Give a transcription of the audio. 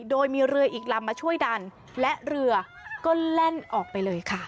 โดยมีเรืออีกลำมาช่วยดันและเรือก็แล่นออกไปเลยค่ะ